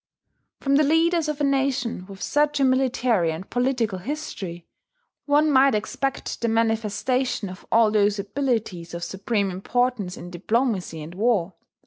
From the leaders of a nation with such a military and political history, one might expect the manifestation of all those abilities of supreme importance in diplomacy and war.